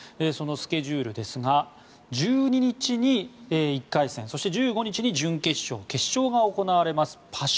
そのスケジュールですが１２日に１回戦そして１５日に準決勝、決勝が行われます。